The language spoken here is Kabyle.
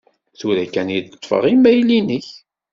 Tura kan i ṭṭfeɣ imayl-inek.